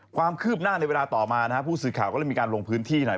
ความคืบหน้าในเวลาต่อมานะฮะผู้สื่อข่าวก็เลยมีการลงพื้นที่หน่อย